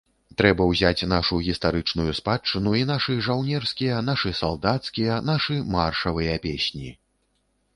Трэба ўзяць нашу гістарычную спадчыну і нашы жаўнерскія, нашы салдацкія, нашы маршавыя песні.